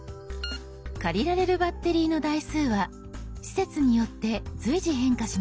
借りられるバッテリーの台数は施設によって随時変化します。